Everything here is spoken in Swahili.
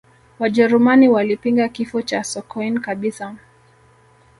wajerumani walipinga kifo cha sokoine kabisa